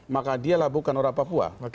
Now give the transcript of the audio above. maka dialah bukan orang papua